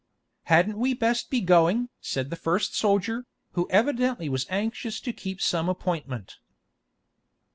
"Hadn't we best be going?" said the first soldier, who evidently was anxious to keep some appointment.